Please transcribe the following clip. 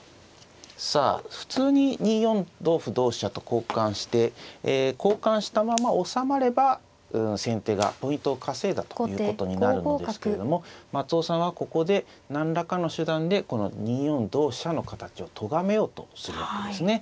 さあ普通に２四同歩同飛車と交換して交換したまま収まれば先手がポイントを稼いだということになるのですけれども松尾さんはここで何らかの手段でこの２四同飛車の形をとがめようとするわけですね。